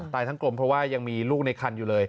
ทั้งกลมเพราะว่ายังมีลูกในคันอยู่เลย